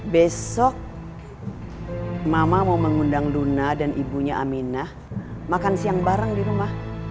besok mama mau mengundang luna dan ibunya aminah makan siang bareng di rumah